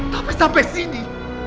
tapi sampai sini